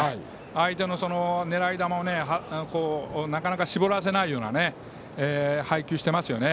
相手の狙い球をなかなか絞らせないような配球をしていますね。